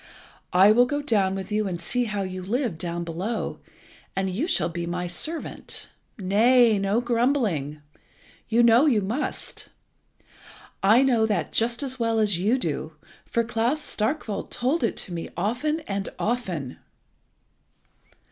I will go down with you and see how you live down below, and you shall be my servant. Nay, no grumbling. You know you must. I know that just as well as you do, for Klas Starkwolt told it to me often and often!"